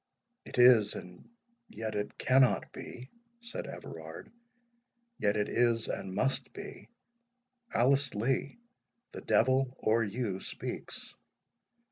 "It is—and yet it cannot be," said Everard; "yet it is, and must be. Alice Lee, the devil or you speaks.